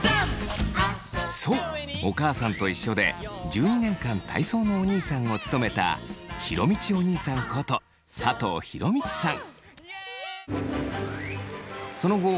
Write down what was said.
そう「おかあさんといっしょ」で１２年間体操のおにいさんを務めた弘道おにいさんこと佐藤弘道さん。